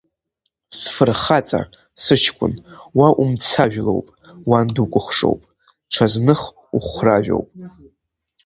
Сфырхаҵа, сыҷкәын, уа умцажәлоуп, уан дукәыхшоуп, ҽазных Ухәрашәоуп!